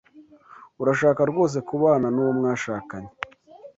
Urashaka rwose kubana nuwo mwashakanye